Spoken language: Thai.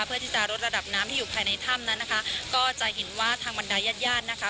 เพื่อที่จะลดระดับน้ำที่อยู่ภายในถ้ำนั้นนะคะก็จะเห็นว่าทางบรรดายญาติญาตินะคะ